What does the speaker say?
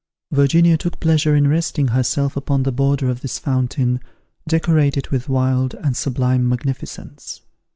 Virginia took pleasure in resting herself upon the border of this fountain, decorated with wild and sublime magnificence.